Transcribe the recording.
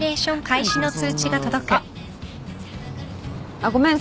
あっごめん。